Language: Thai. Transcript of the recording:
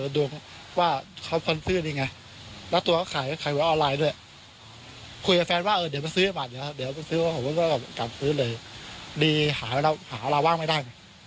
ดีหาเวลาว่างไม่ได้